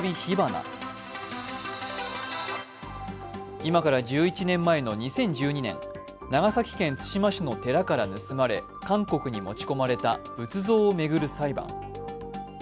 今から１１年前の２０１２年、長崎県対馬市の寺から盗まれ韓国に持ち込まれた仏像を巡る裁判。